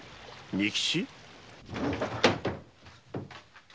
仁吉‼